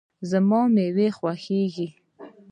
زما مېوه خوښیږي